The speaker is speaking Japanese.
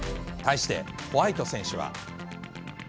対して、ホワイト選手は。